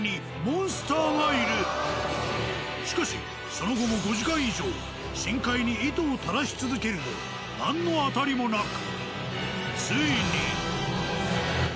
しかしその後も５時間以上深海に糸を垂らし続けるも何のアタリもなく。